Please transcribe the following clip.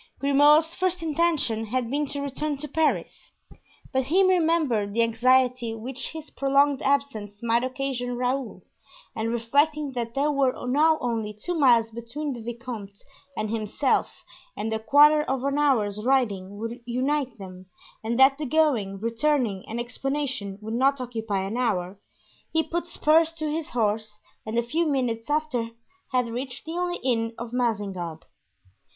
Grimaud's first intention had been to return to Paris, but he remembered the anxiety which his prolonged absence might occasion Raoul, and reflecting that there were now only two miles between the vicomte and himself and a quarter of an hour's riding would unite them, and that the going, returning and explanation would not occupy an hour, he put spurs to his horse and a few minutes after had reached the only inn of Mazingarbe.